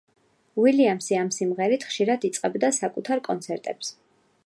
უილიამსი ამ სიმღერით ხშირად იწყებდა საკუთარ კონცერტებს.